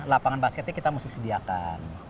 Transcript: lapangan basketnya kita mesti sediakan